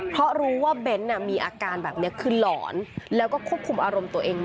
เพราะรู้ว่าเบ้นท์อาการคือหลอนและควบคุมอารมณ์ตัวเองมาก